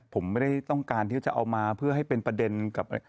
ผมไม่ได้ต้องการที่จะเอามาเพื่อให้เป็นประเด็นกับ